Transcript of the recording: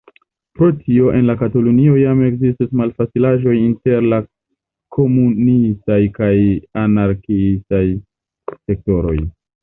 Pro tio en Katalunio jam ekzistis malfacilaĵoj inter la komunistaj kaj la anarkiistaj sektoroj.